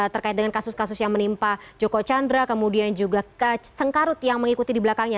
terkait dengan kasus kasus yang menimpa joko chandra kemudian juga sengkarut yang mengikuti di belakangnya